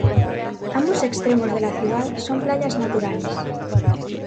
Ambos extremos de la ciudad son playas naturales.